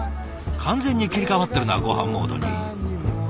完全に切り替わってるなごはんモードに。